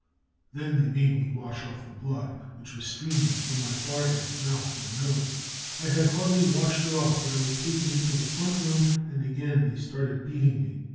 Then they made me wash off the blood which was streaming from my forehead, mouth and nose. I had hardly washed it off when I was taken into the front room and again they started beating me.